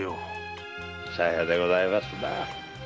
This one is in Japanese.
さようでございますな。